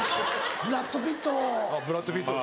ブラッド・ピット。